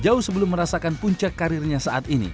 jauh sebelum merasakan puncak karirnya david jakob penyandang menang